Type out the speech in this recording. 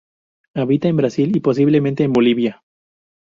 Habita en Brasil y posiblemente en Bolivia.